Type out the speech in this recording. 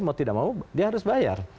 mau tidak mau dia harus bayar